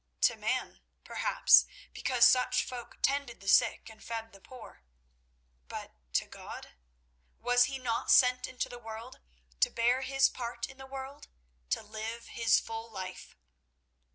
To man, perhaps, because such folk tended the sick and fed the poor. But to God? Was he not sent into the world to bear his part in the world—to live his full life?